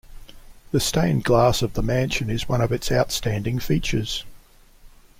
The stained glass of the mansion is one of its outstanding features.